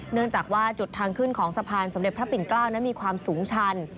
เนื่องจากว่าจุดทางขึ้นของสะพานสมเด็จพระปิ่นเกล้านั้นมีความสูงชัน